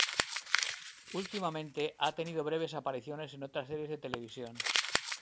Últimamente ha tenido breves apariciones en otras series de televisión.